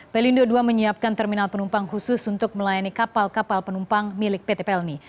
pelindo ii menyiapkan terminal penumpang khusus untuk melayani kapal kapal penumpang milik pt pelni